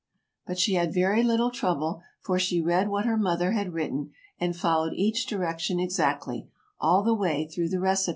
But she had very little trouble; for she read what her mother had written; and followed each direction exactly, all the way through the recipe.